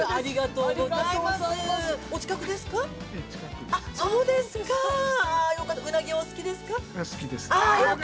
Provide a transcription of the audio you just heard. うなぎお好きですか。